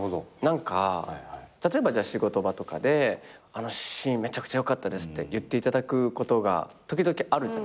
何か例えばじゃあ仕事場とかで「あのシーンめちゃくちゃ良かったです」って言っていただくことが時々あるじゃないですか。